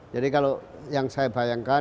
jadi kalau yang saya bayangkan